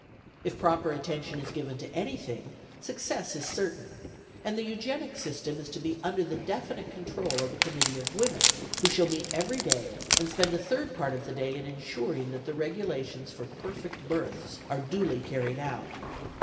If proper attention is given to anything, success is certain ; and the eugenic system is to be under the definite control of a committee of women, who shall meet every day and spend a third part of the day in ensuring that the regulations for perfect births are duly carried out.